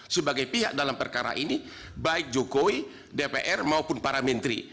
sebagai pihak dalam perkara ini baik jokowi dpr maupun para menteri